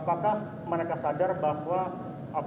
apakah mereka sadar bahwa